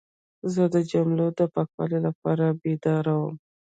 زه د جملو د پاکوالي لپاره بیدار وم.